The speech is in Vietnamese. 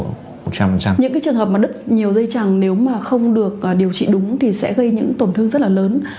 những cái trường hợp mà đứt nhiều dây chẳng nếu mà không được điều trị đúng thì sẽ gây những tổn thương rất là lớn